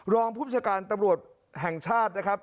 รองผู้ประชาการตำรวจแห่งชาตินะครับ